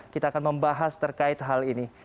kita akan membahas terkait hal ini